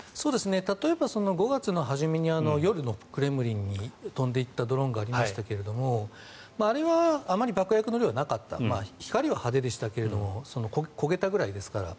例えば５月の初めに夜のクレムリンに飛んで行ったドローンがありましたけどあれはあまり爆薬の量はなかった光は派手でしたが焦げたぐらいですから。